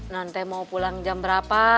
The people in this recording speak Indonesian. non teh mau pulang jam berapa